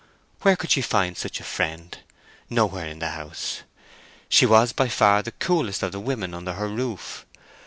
Where could she find such a friend? nowhere in the house. She was by far the coolest of the women under her roof.